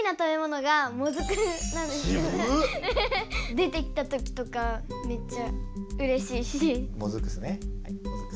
出てきたときとかめっちゃうれしいし。